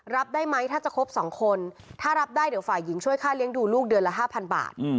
รับได้ไหมถ้าจะครบ๒คนถ้ารับได้เดี๋ยวฝ่ายหญิงช่วยค่าเลี้ยงดูลูกเดือนละ๕๐๐บาท